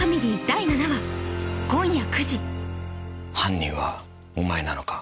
第７話今夜９時犯人はお前なのか？